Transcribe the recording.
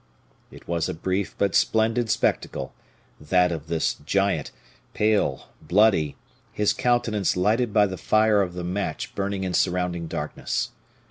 It was a brief but splendid spectacle, that of this giant, pale, bloody, his countenance lighted by the fire of the match burning in surrounding darkness!